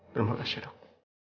terima kasih dok